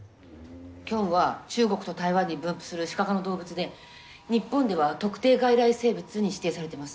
キョンは中国と台湾に分布するシカ科の動物で日本では特定外来生物に指定されてます。